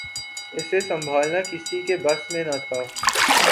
اسے سنبھالنا کسی کے بس میں نہ تھا